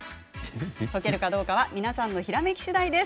解けるかどうかは皆さんのひらめきしだいです。